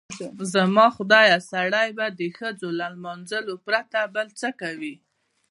زما خدایه سړی به د ښځو له لمانځلو پرته بل څه کوي؟